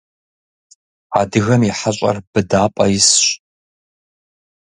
Адыгэм и хьэщӏэр быдапӏэ исщ.